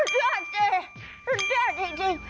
สุดเจ้าเจ๊สุดเจ้าจริง